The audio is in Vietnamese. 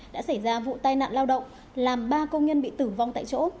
đã xảy ra vụ tai nạn lao động làm ba công nhân bị tử vong tại chỗ